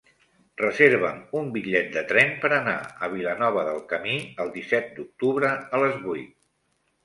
Reserva'm un bitllet de tren per anar a Vilanova del Camí el disset d'octubre a les vuit.